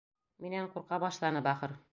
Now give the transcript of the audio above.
Минән ҡурҡа башланы, бахыр.